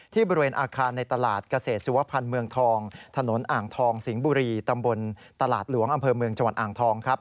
บริเวณอาคารในตลาดเกษตรสุวพันธ์เมืองทองถนนอ่างทองสิงห์บุรีตำบลตลาดหลวงอำเภอเมืองจังหวัดอ่างทองครับ